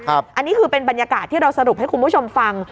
อันนี้คือเป็นบรรยากาศที่เราสรุปให้คุณผู้ชมฟัง